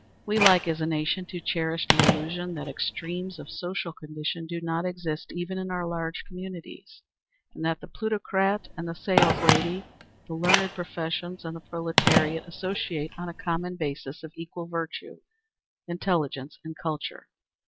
We like as a nation to cherish the illusion that extremes of social condition do not exist even in our large communities, and that the plutocrat and the saleslady, the learned professions and the proletariat associate on a common basis of equal virtue, intelligence, and culture.